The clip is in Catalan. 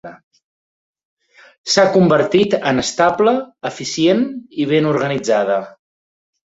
S'ha convertit en estable, eficient i ben organitzada.